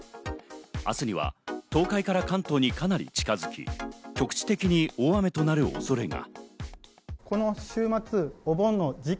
明日には東海から関東にかなり近づき、局地的に大雨となる恐れが。